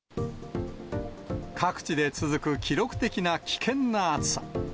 各地で続く記録的な危険な暑さ。